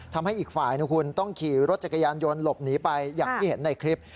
ทำให้อีกฝ่ายนะคุณต้องขี่รถจักรยานยนต์หลบหนีไปอย่างที่เห็นในคลิป